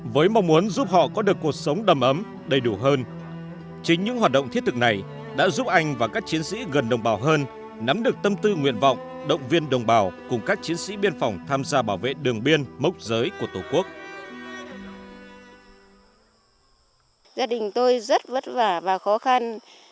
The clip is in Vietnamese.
với mong muốn giúp họ có được khó khăn chúng ta đồng bào các dân đặc biệt khó khăn